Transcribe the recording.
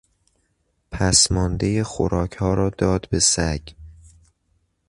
پسماندهی خوراکها را داد به سگ.